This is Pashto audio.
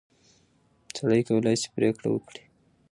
سړی کولای شي پرېکړه وکړي.